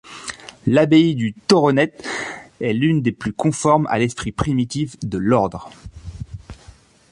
L’abbaye du Thoronet est l’une des plus conformes à l’esprit primitif de l’Ordre.